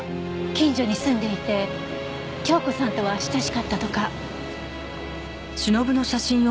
近所に住んでいて京子さんとは親しかったとか。